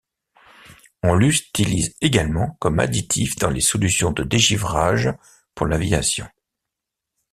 On l'utilise également comme additif dans les solutions de dégivrage pour l'aviation.